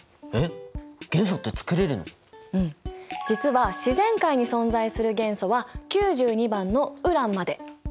実は自然界に存在する元素は９２番のウランまで。